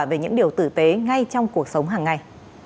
về những điều tử tế ngay trong cuộc sống hàng ngày